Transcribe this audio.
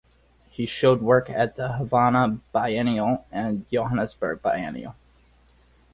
He showed work at the Havana Biennial and Johannesburg Biennial.